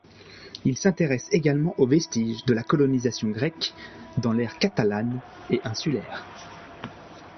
Il s'intéresse également aux vestiges de la colonisation grecque dans l'aire catalane et insulaire.